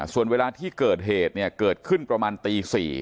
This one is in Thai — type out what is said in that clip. ส่วนเวลาที่เกิดเหตุเนี่ยเกิดขึ้นประมาณตี๔